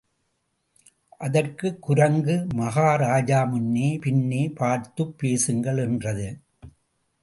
அதற்குக் குரங்கு, மகாராஜா முன்னே பின்னே பார்த்துப் பேசுங்கள் என்றது.